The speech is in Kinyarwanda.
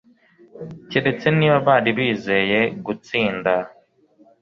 keretse niba bari bizeye gutsinda